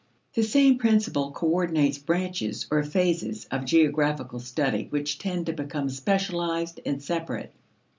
The same principle coordinates branches, or phases, of geographical study which tend to become specialized and separate.